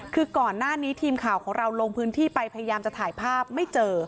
คือก่อนหน้านี้ทีมข่าวของเราลงพื้นที่ไปพยายามจะถ่ายภาพไม่เจอ